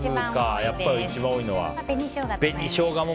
やっぱり一番多いのは。